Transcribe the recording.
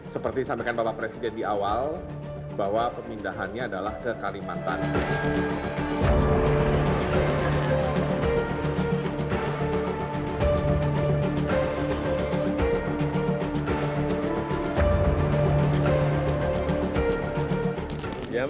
seperti sampaikan bapak presiden di awal bahwa pemindahannya adalah ke kalimantan